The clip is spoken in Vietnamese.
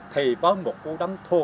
thì có một cú đấm thô sơ thôi